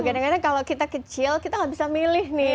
kadang kadang kalau kita kecil kita nggak bisa milih nih